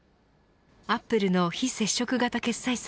アップルの非接触型決済